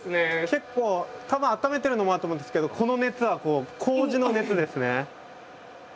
結構たぶんあっためてるのもあると思うんですけどこの熱はこうじの熱ですね。